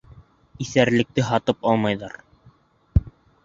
Иҫәрлекте һатып алмайҙар.